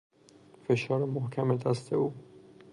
فشار محکم دست او